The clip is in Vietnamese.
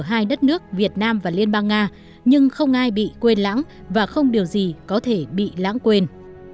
hai đất nước việt nam và liên bang nga nhưng không ai bị quên lãng và không điều gì có thể bị lãng quên